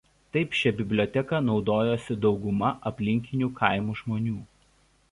Taip šia biblioteka naudojosi dauguma aplinkinių kaimų žmonių.